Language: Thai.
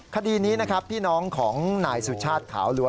คดีนี้นะครับพี่น้องของนายสุชาติขาวลัว